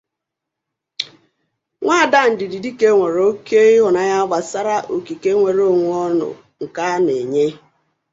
Nwa ada Ndidi Dike nwere oke ihunanya basara oke nwere onwe oru nka na enye.